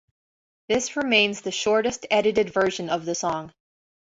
This remains the shortest edited version of the song.